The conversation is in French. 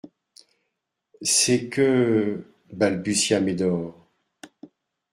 C'est que …, balbutia Médor.